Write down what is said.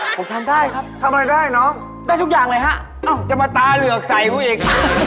ผมทำได้ครับได้ทุกอย่างเลยฮะจะมาตาเหลือกใส่ผู้อีก